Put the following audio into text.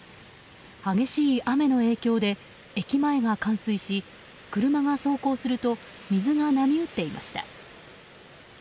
激しい雨の影響で駅前が冠水し車が走行すると水が波打っていました。